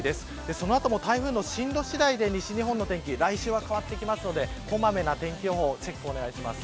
その後も台風の進路次第で西日本の天気は変わってくるので小まめな天気予報のチェックをお願いします。